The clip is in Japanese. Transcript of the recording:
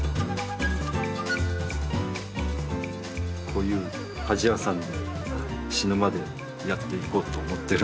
こういう鍛冶屋さんで死ぬまでやっていこうと思ってるんで。